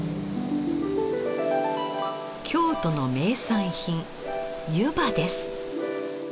京都の名産品湯葉です。